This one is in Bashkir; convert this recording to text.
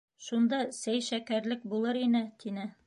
Шунда сәй-шәкәрлек булыр, тине.